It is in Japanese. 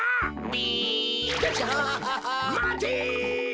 まて！